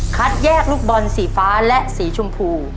คัดแยกลูกบอลสีฟ้าและสีชมพู